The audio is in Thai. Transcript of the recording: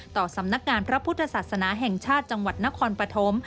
ต่อสำนักงานพระพุทธศาสนาแห่งชาติจังหวัดนครปฐม